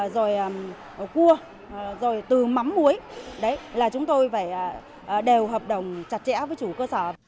rồi cua rồi từ mắm muối đấy là chúng tôi phải đều hợp đồng chặt chẽ với chủ cơ sở